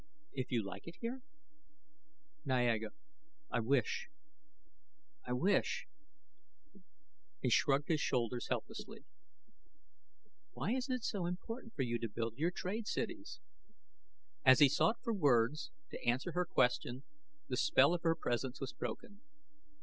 If you like it here " "Niaga, I wish I wish " He shrugged his shoulders helplessly. "Why is it so important for you to build your trade cities?" As he sought for words to answer her question, the spell of her presence was broken.